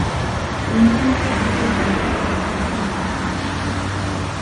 The intensive reporting could inspire imitators.